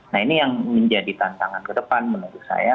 nah ini yang menjadi tantangan ke depan menurut saya